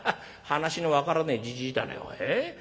話の分からねえじじいだねおい。